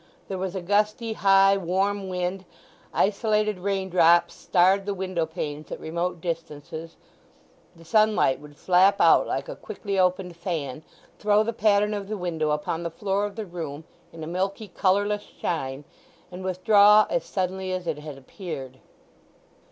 There was a gusty, high, warm wind; isolated raindrops starred the window panes at remote distances: the sunlight would flap out like a quickly opened fan, throw the pattern of the window upon the floor of the room in a milky, colourless shine, and withdraw as suddenly as it had appeared.